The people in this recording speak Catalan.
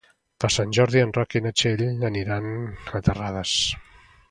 Per Sant Jordi en Roc i na Txell aniran a Terrades.